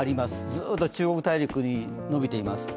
ずっと中国大陸に延びています。